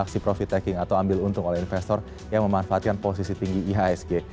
aksi profit taking atau ambil untung oleh investor yang memanfaatkan posisi tinggi ihsg